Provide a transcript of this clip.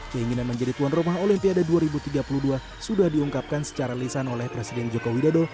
keinginan menjadi tuan rumah olimpiade dua ribu tiga puluh dua sudah diungkapkan secara lisan oleh presiden joko widodo